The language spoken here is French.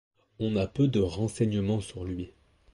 On a peu de renseignements sur lui.